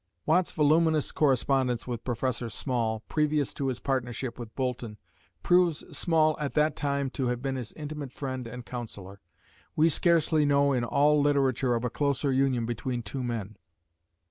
Watt's voluminous correspondence with Professor Small, previous to his partnership with Boulton, proves Small at that time to have been his intimate friend and counsellor. We scarcely know in all literature of a closer union between two men.